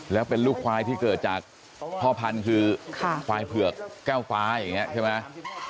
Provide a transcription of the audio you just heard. แล้วเป็นลูกควายที่เกิดจากพ่อพันธุ์คือควายเผือกแก้วฟ้าอย่างนี้ใช่ไหม